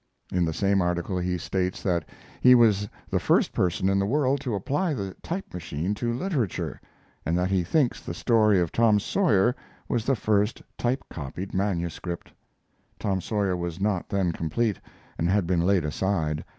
In the same article he states that he was the first person in the world to apply the type machine to literature, and that he thinks the story of Tom Sawyer was the first type copied manuscript. [Tom Sawyer was not then complete, and had been laid aside.